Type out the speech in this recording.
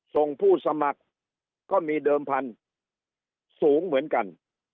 ผู้สมัครก็มีเดิมพันธุ์สูงเหมือนกัน